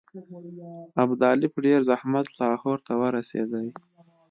ابدالي په ډېر زحمت لاهور ته ورسېدی.